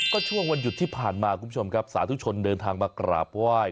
ก็ช่วงวันหยุดที่ผ่านมาคุณผู้ชมครับสาธุชนเดินทางมากราบไหว้